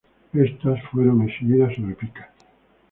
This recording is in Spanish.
Estas fueron exhibidas sobre picas.